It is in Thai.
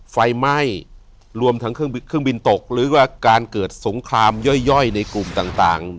ไฟไหม้รวมทั้งเครื่องบินตกหรือว่าการเกิดสงครามย่อยในกลุ่มต่าง